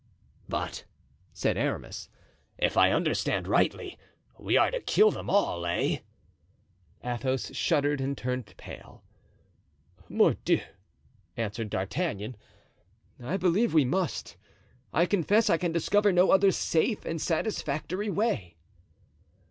"But," said Aramis, "if I understand rightly we are to kill them all, eh?" Athos shuddered and turned pale. "Mordioux!" answered D'Artagnan, "I believe we must. I confess I can discover no other safe and satisfactory way."